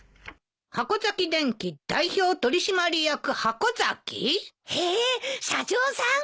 箱崎電気代表取締役箱崎？へえ社長さん？